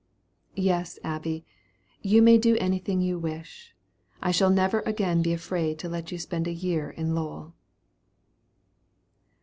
"Yes, Abby, you may do anything you wish. I shall never again be afraid to let you spend a year in Lowell."